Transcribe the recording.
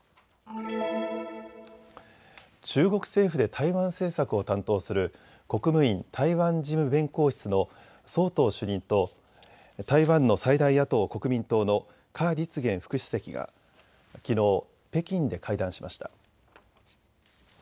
中国政府で台湾政策を担当する国務院台湾事務弁公室の宋涛主任と台湾の最大野党・国民党の夏立言副主席がきのう北京で会談しました。